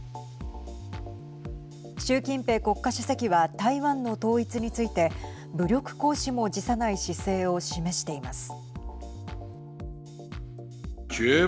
習近平国家主席は台湾の統一について武力行使も辞さない姿勢を示しています。